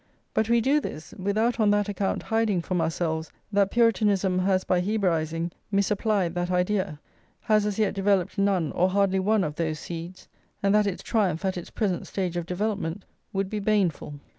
But we do this, without on that account hiding from ourselves that Puritanism has by Hebraising misapplied that idea, has as yet developed none or hardly one of those seeds, and that its triumph at its present stage of development would be baneful.